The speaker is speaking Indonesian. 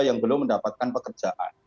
yang belum mendapatkan pekerjaan